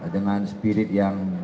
dengan spirit yang